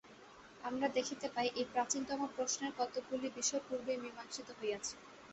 আমরা দেখিতে পাই, এই প্রাচীনতম প্রশ্নের কতকগুলি বিষয় পূর্বেই মীমাংসিত হইয়াছে।